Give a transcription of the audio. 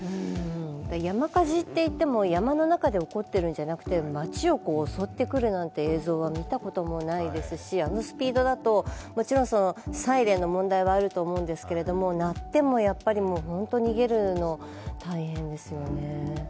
山火事といっても山の中で起こっているんじゃなくて街を襲ってくるなんていう映像は見たこともないですしあのスピードだともちろんサイレンの問題はあると思うんですが鳴っても、本当に逃げるのは大変ですよね。